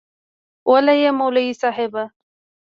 وله یی مولوی صیب.